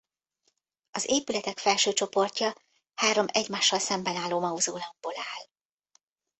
Az épületek felső csoportja három egymással szemben álló mauzóleumból áll.